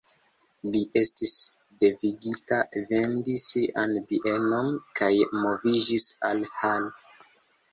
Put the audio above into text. Li estis devigita vendi sian bienon kaj moviĝis al Hall.